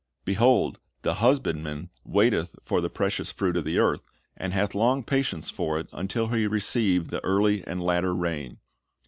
"^ "Behold, the husbandman waiteth for the precious fruit of the earth, and hath long patience for it, until he receive the early and latter rain.